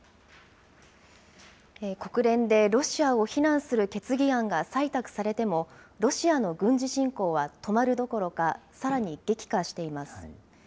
国連でロシアを非難する決議案が採択されても、ロシアの軍事侵攻は止まるどころかさらに激化しています。